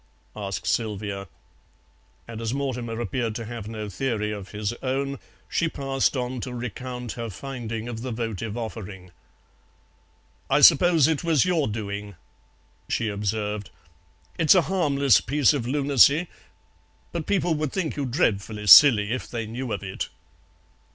asked Sylvia, and as Mortimer appeared to have no theory of his own, she passed on to recount her finding of the votive offering. "I suppose it was your doing," she observed; "it's a harmless piece of lunacy, but people would think you dreadfully silly if they knew of it."